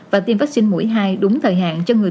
và tiêm vaccine mũi hai đúng thời hạn cho người